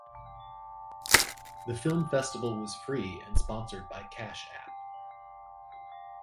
The Film Festival was free and sponsored by Cash App.